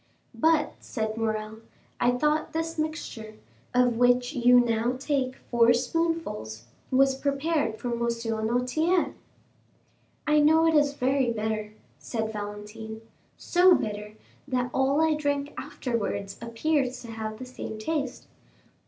"But," said Morrel, "I thought this mixture, of which you now take four spoonfuls, was prepared for M. Noirtier?" "I know it is very bitter," said Valentine; "so bitter, that all I drink afterwards appears to have the same taste."